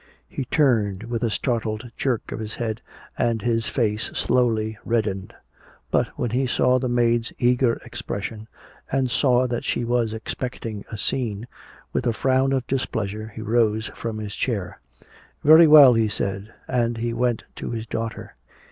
He turned with a startled jerk of his head and his face slowly reddened. But when he saw the maid's eager expression and saw that she was expecting a scene, with a frown of displeasure he rose from his chair. "Very well," he said, and he went to his daughter.